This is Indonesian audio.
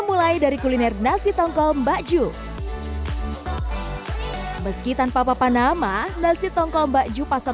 mulai dari kuliner nasi tongkol mbak ju meski tanpa papa nama nasi tongkol baju pasar